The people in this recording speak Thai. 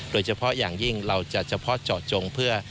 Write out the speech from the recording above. โดยเฉพาะอย่างยิ่งเราจะเฉพาะเจาะจงเพื่อ